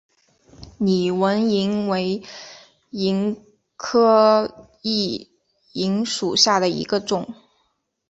拟纹萤为萤科熠萤属下的一个种。